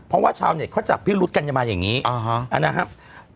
เพราะว่าชาวเนี้ยเขาจับพิรุธกัญญามันอย่างงี้อ๋อฮะอ่านะครับ